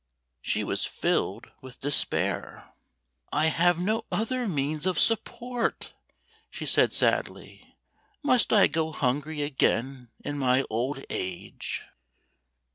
She was filled with despair. I have no other means of support !" she said sadly. " Must I go hungiy again in my old age?